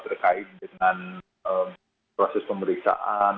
terkait dengan proses pemeriksaan